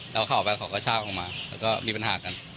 แล้วเขาไปเขาก็ชากลงมาแล้วก็มีปัญหากัน